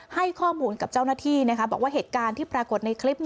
ให้ข้อมูลกับเจ้าหน้าที่บอกว่าเหตุการณ์ที่ปรากฏในคลิป